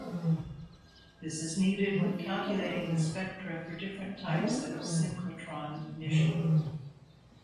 This is needed when calculating the spectra for different types of synchrotron emission.